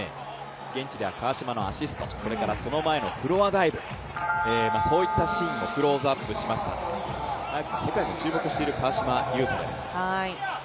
現地では川島のアシスト、その前のプレー、そういったシーンもクローズアップしましたが、世界も注目している川島悠翔です。